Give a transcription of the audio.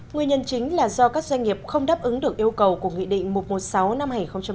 nguyên nhân chính là do các doanh nghiệp không đáp ứng được yêu cầu của nghị định một trăm một mươi sáu năm hai nghìn một mươi chín